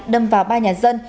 đâm vào ba nhà dân